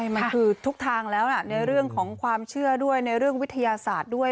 มันคือทุกทางแล้วในเรื่องของความเชื่อด้วยในเรื่องวิทยาศาสตร์ด้วย